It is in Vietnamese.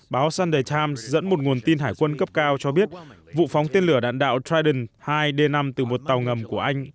báo sande times dẫn một nguồn tin hải quân cấp cao cho biết vụ phóng tên lửa đạn đạo triden hai d năm từ một tàu ngầm của anh